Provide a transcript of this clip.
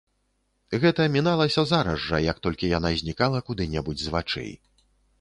Гэта міналася зараз жа, як толькі яна знікала куды-небудзь з вачэй.